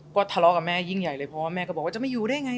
ก็ทะเลาะกับแม่ยิ่งใหญ่เลยเพราะว่าแม่ก็บอกว่าจะไม่อยู่ได้ไง